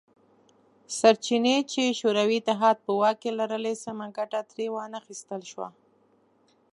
سرچینې چې شوروي اتحاد په واک کې لرلې سمه ګټه ترې وانه خیستل شوه